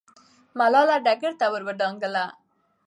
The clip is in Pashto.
ملالۍ ډګر ته ور دانګله.